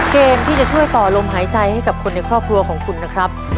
เกมที่จะช่วยต่อลมหายใจให้กับคนในครอบครัวของคุณนะครับ